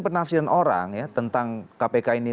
penafsiran orang ya tentang kpk ini